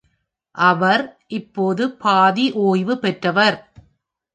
அவர் இப்போது பாதி ஓய்வு பெற்றவர்.